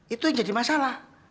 itu yang jadi masalah